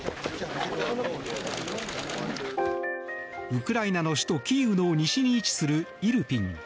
ウクライナの首都キーウの西に位置するイルピン。